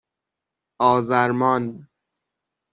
آزرمان